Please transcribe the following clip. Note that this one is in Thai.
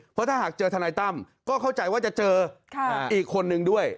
เพราะถ้าหากเจอทนายตั้มก็เข้าใจว่าจะเจออีกคนนึงด้วย